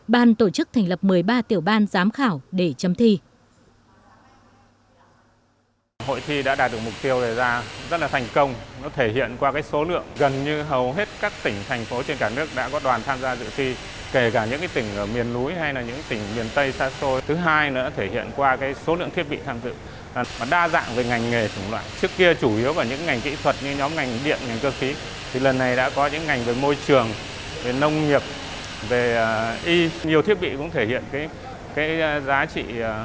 ban tổ chức thành lập một mươi ba tiểu ban giám khảo để chấm thi